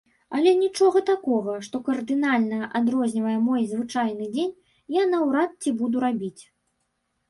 Але нічога такога, што кардынальна адрознівае мой звычайны дзень, я наўрад ці буду рабіць.